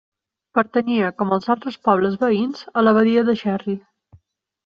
Pertanyia, com els altres pobles veïns, a l'abadia de Gerri.